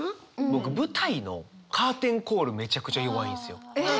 僕舞台のカーテンコールめちゃくちゃ弱いんですよ。え！